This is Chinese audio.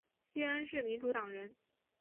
西恩是民主党人。